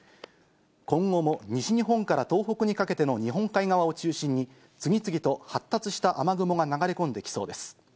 今後も西日本から東北にかけての日本海側を中心に、次々と発達した雨雲が流れ込んできそうです。